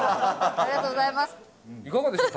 ありがとうございます。